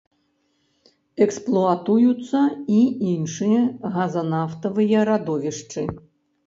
Эксплуатуюцца і іншыя газанафтавыя радовішчы.